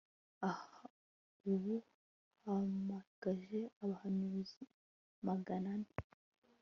Ahabu yahamagaje abahanuzi magana ane